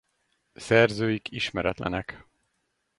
Szerzőik ismeretlenek.